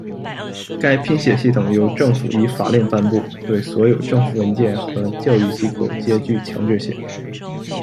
该拼写系统由政府以法令颁布，对所有政府文件和教育机构皆具强制性。